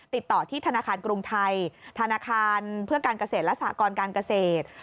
ติดต่อที่ธนาคารกรุงไทยธนาคารเพื่อการเกษตรและสหกรการเกษตร